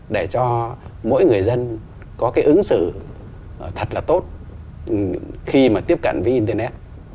để cho mỗi người dân có cái ứng xử thật là tốt khi mà tiếp cận với internet